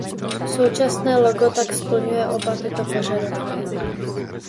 Současné logo tak splňuje oba tyto požadavky.